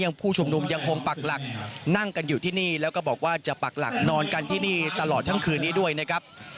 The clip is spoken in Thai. ผู้ชุมนุมยังคงปักหลักนั่งกันอยู่ที่นี่แล้วก็บอกว่าจะปักหลักนอนกันที่นี่ตลอดทั้งคืนนี้ด้วยนะครับ